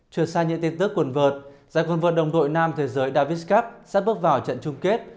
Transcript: trừ xa những tin tức cuồn vợt giải cuồn vợt đồng đội nam thế giới davis cup sắp bước vào trận chung kết